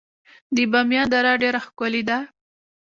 د بامیان دره ډیره ښکلې ده